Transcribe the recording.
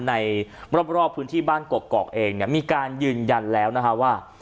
ในรอบพื้นที่บ้านกอกเองมีการยืนยันแล้วว่า